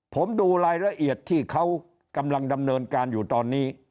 ผมดูรายละเอียดที่เขากำลังดำเนินการอยู่ตอนนี้